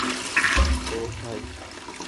ওহ, high!